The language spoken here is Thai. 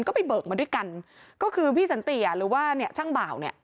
ก็ไปเบิกมาด้วยกันก็คือพี่สันติหรือว่าเนี่ยช่างบ่าวเนี่ย